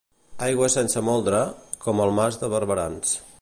Aigua sense moldre, com al Mas de Barberans.